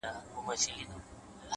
انسان د خپلې ژمنې په اندازه لوی وي’